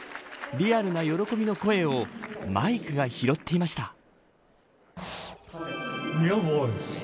リアルな喜びの声をマイクが拾っていました。